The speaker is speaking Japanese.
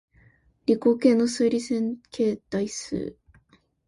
理工系の数理線形代数